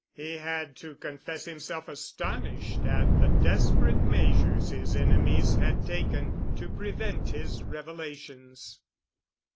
He had to confess himself astonished at the desperate measures his enemies had taken to prevent his revelations.